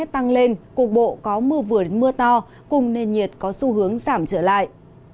tăng lên cục bộ có mưa vừa đến mưa to cùng nền nhiệt có xu hướng giảm trở lại